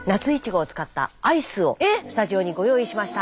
スタジオにご用意しました。